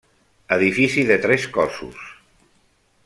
Edifici de tres cossos.